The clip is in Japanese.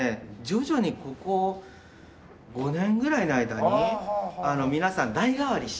徐々にここ５年ぐらいの間に皆さん代替わりして。